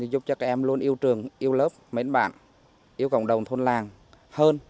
thì giúp cho các em luôn yêu trường yêu lớp mến bạn yêu cộng đồng thôn làng hơn